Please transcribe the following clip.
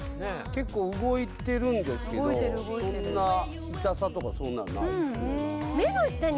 結構・動いてる動いてるそんな痛さとかそんなのないですね